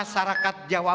program jabar tjager